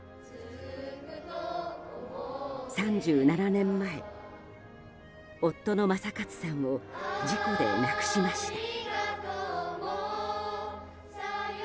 ３７年前、夫の正勝さんを事故で亡くしました。